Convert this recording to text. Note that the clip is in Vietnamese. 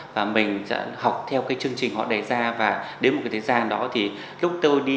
và mình học theo cái chương trình họ đề ra và đến một cái thời gian đó thì lúc tôi đi